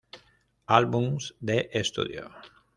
Albums de estudio